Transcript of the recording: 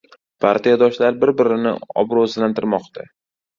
Partiyadoshlar bir-birini obro‘sizlantirmoqda